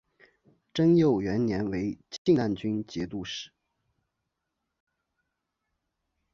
贞佑元年为静难军节度使。